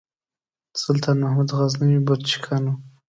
سلطان محمود غزنوي بُت شکن و.